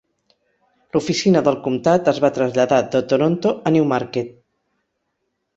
L'oficina del comtat es va traslladar de Toronto a Newmarket.